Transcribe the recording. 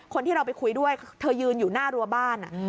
คนที่เราไปคุยด้วยเธอยืนอยู่หน้ารัวบ้าน